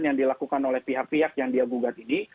yang dilakukan oleh pihak pihak yang dia gugat ini